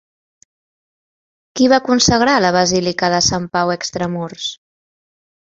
Qui va consagrar la basílica de Sant Pau Extramurs?